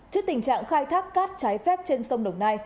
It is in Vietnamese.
trước tình trạng khai thác cát trái phép trên sông đồng nai